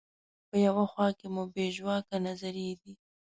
په یوه خوا کې مو بې ژواکه نظریې دي.